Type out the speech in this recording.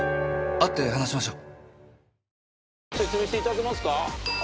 会って話しましょう。